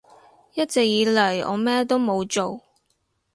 一直以嚟我咩都冇做